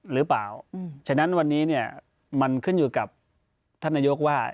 หรือเปล่าฉะนั้นวันนี้เนี่ยมันขึ้นอยู่กับท่านนายกว่า